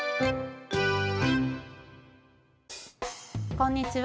こんにちは。